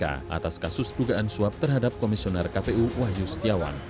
atas kasus dugaan suap terhadap komisioner kpu wahyu setiawan